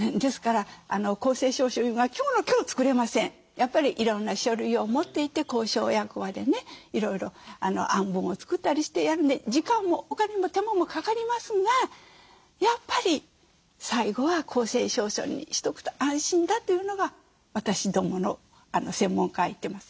やっぱりいろんな書類を持っていって公証役場でねいろいろ案文を作ったりしてやるんで時間もお金も手間もかかりますがやっぱり最後は公正証書にしとくと安心だというのが私どもの専門家は言ってます。